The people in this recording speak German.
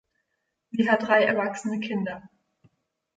Sie hat drei erwachsene Kinder.